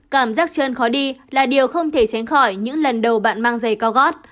cảm giác trơn khó đi là điều không thể tránh khỏi những lần đầu bạn mang giày cao gót